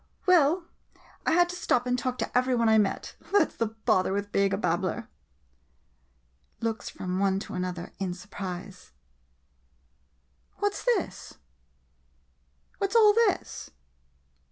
] Well, I had to stop and talk to every one I met — that 's the bother with being a babbler ! [Looks from one to another in sur prise.] 3 MODERN MONOLOGUES What's this? What's all this?